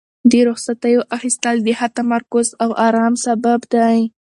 د رخصتیو اخیستل د ښه تمرکز او ارام سبب دی.